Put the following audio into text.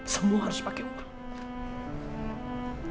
semua harus pakai uang